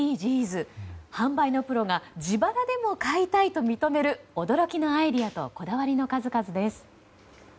販売のプロが自腹でも買いたいと認める驚きのアイデアとこだわりの数々です。